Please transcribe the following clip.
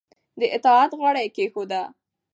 د اطاعت غاړه یې کېښوده